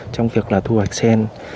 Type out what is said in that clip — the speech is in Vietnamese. trong việc thu hoạch sen